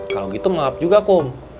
kalau gitu maaf juga kok